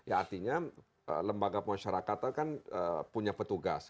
artinya lembaga pemasyarakatan kan punya petugas